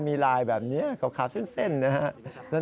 มีลายแบบนี้ขาวเส้นนะครับ